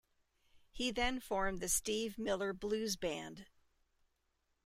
He then formed the Steve Miller Blues Band.